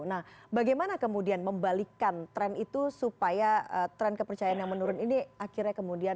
nah bagaimana kemudian membalikkan tren itu supaya tren kepercayaan yang menurun ini akhirnya kemudian